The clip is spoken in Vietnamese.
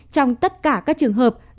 trong tất cả các trường hợp